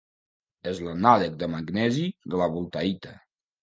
És l'anàleg de magnesi de la voltaïta.